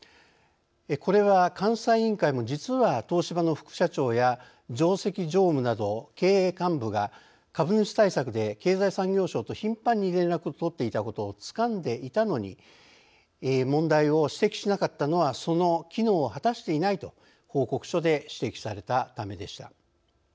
これは監査委員会も実は東芝の副社長や上席常務など経営幹部が株主対策で経済産業省と頻繁に連絡を取っていたことをつかんでいたのに問題を指摘しなかったのはその機能を果たしていないと報告書で指摘されたためでした。